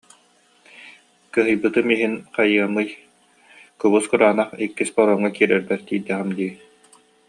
Кыһыйбытым иһин, хайыамый, кубус-кураанах иккис паромҥа киирэрбэр тиийдэҕим дии